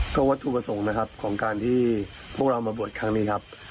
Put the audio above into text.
เพราะว่าธุปศงนะครับของการที่พวกเรามาบริโภคครั้งนี้ครับ